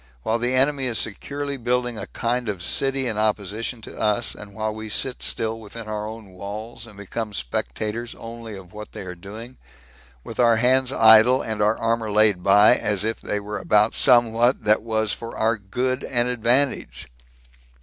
while the enemy is securely building a kind of city in opposition to us, and while we sit still within our own walls, and become spectators only of what they are doing, with our hands idle, and our armor laid by, as if they were about somewhat that was for our good and advantage.